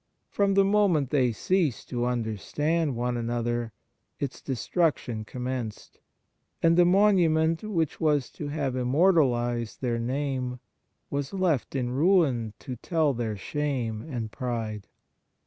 From the moment they ceased to understand one another its destruction com menced, and the monument which was to have immortalized their name was left in ruin to tell their shame and pride.